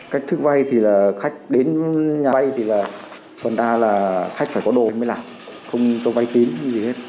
cách thức vay thì là khách đến nhà vay thì là phần đa là khách phải có đồ mới làm không cho vay tín gì hết